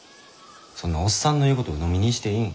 そんなおっさんの言うことうのみにしていいん？